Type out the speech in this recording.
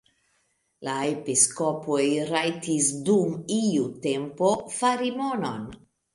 La episkopoj rajtis dum iu tempo fari monon.